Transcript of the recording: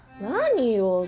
何よ